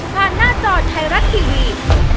หน้าจอไทยรัฐทีวี